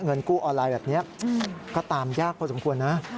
เงินกู้ออนไลน์แบบนี้ก็ตามยากพอสมควรนะ